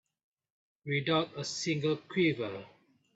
Without a single quiver.